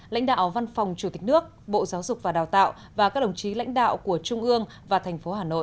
lãnh đạo văn phòng chủ tịch nước bộ giáo dục và đào tạo và các đồng chí lãnh đạo của trung ương và thành phố hà nội